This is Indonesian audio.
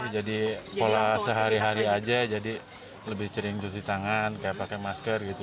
jadi pola sehari hari aja jadi lebih sering cuci tangan kayak pakai masker gitu